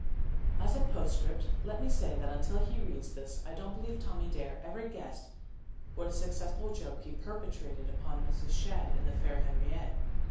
As a postscript let me say that until he reads this I don't believe Tommy Dare ever guessed what a successful joke he perpetrated upon Mrs. Shadd and the fair Henriette.